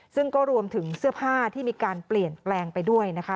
ซึ่งก็รวมถึงเสื้อผ้าที่มีการเปลี่ยนแปลงไปด้วยนะคะ